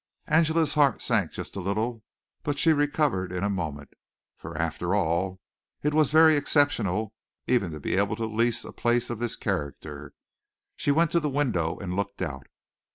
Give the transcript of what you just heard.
Angela's heart sank just a little but she recovered in a moment, for after all it was very exceptional even to be able to lease a place of this character. She went to the window and looked out.